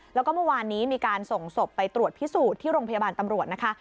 แล้วก็เมื่อวานนี้มีการส่งศพไปตรวจพิสูจน์ที่โรงพยาบาลตำรวจนะคะ